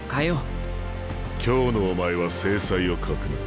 今日のお前は精彩を欠くな。